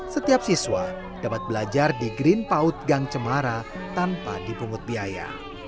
setiap siswa dapat belajar di green paut gang cemara tanpa dipungut biaya